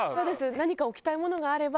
何か置きたいものがあれば。